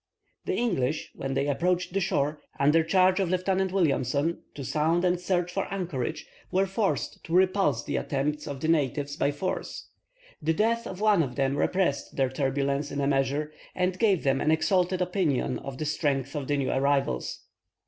The English, when they approached the shore, under charge of Lieutenant Williamson, to sound and search for anchorage, were forced to repulse the attempts of the natives by force. The death of one of them repressed their turbulence in a measure, and gave them an exalted opinion of the strength of the new arrivals.